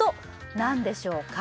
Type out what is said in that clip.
何でしょうか